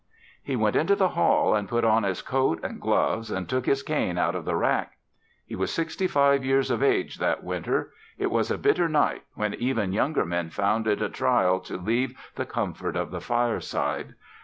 He went into the hall and put on his coat and gloves and took his cane out of the rack. He was sixty five years of age that winter. It was a bitter night when even younger men found it a trial to leave the comfort of the fireside.